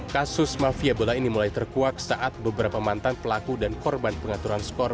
kasus mafia bola ini mulai terkuak saat beberapa mantan pelaku dan korban pengaturan skor